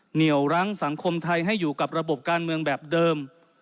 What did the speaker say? เหนียวรั้งสังคมไทยให้อยู่กับระบบการเมืองแบบเดิม